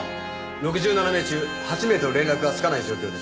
６７名中８名と連絡がつかない状況です。